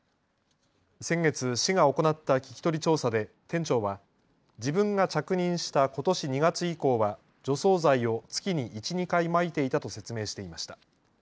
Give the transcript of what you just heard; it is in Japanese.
先月、市が行った聞き取り調査で店長は自分が着任したことし２月以降は除草剤を月に１、２回まいていたと説明していました。